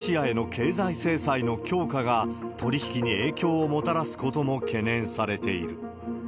さらに、今後見込まれるロシアへの経済制裁の強化が取り引きに影響をもたらすことも懸念されている。